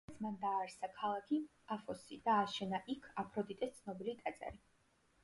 სადაც მან დააარსა ქალაქი პაფოსი და ააშენა იქ აფროდიტეს ცნობილი ტაძარი.